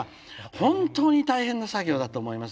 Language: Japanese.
本当に大変な作業だと思います。